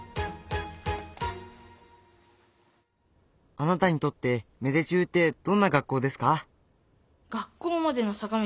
あなたにとって芽出中ってどんな学校ですか？